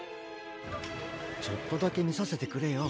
ちょっとだけみさせてくれよ。